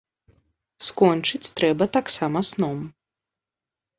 Скончыць трэба таксама сном.